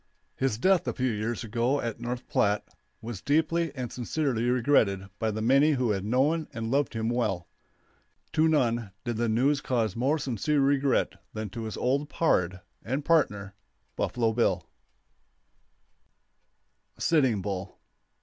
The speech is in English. His death a few years ago at North Platte was deeply and sincerely regretted by the many who had known and loved him well. To none did the news cause more sincere regret than to his old "pard" and partner, Buffalo Bill. SITTING BULL. [Illustration: SITTING BULL.